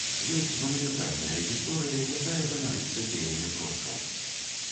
Ёсць манументальная гісторыя, якая ганарыцца дзеямі продкаў.